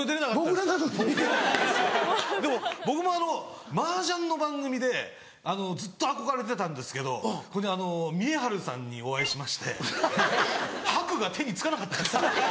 でも僕も麻雀の番組でずっと憧れてたんですけど見栄晴さんにお会いしましてハクが手に付かなかったです。